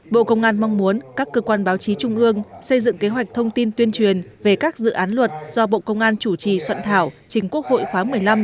bộ công an mong muốn các cơ quan báo chí trung ương xây dựng kế hoạch thông tin tuyên truyền về các dự án luật do bộ công an chủ trì soạn thảo trình quốc hội khóa một mươi năm